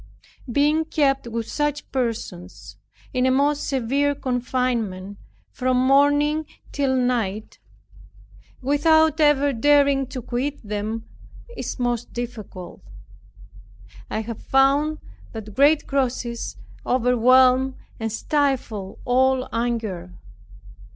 Being kept with such persons, in a most severe confinement, from morning till night, without ever daring to quit them is most difficult. I have found that great crosses overwhelm, and stifle all anger.